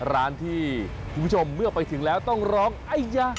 ร้านที่คุณผู้ชมเมื่อไปถึงแล้วต้องร้องไอยา